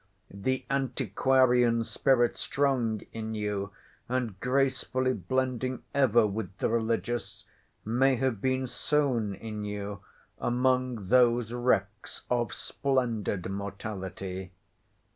The antiquarian spirit, strong in you, and gracefully blending ever with the religious, may have been sown in you among those wrecks of splendid mortality.